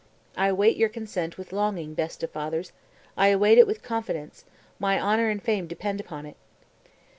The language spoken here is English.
I await your consent with longing, best of fathers, I await it with confidence, my honor and fame depend upon it."